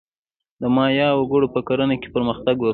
د مایا وګړو په کرنه کې پرمختګ وکړ.